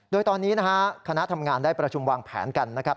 โดยตอนนี้นะฮะคณะทำงานได้ประชุมวางแผนกันนะครับ